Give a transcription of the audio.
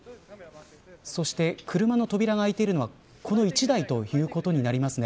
そして、車の扉が開いているのはこの１台ということになりますね。